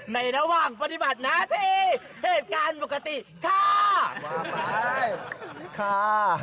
ในระหว่างปฏิบัติหน้าที่เอกการปกติค่า